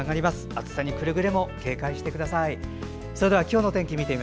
暑さにくれぐれも警戒してください。